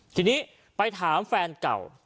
ทีนี้ไปถามแฟนเก่า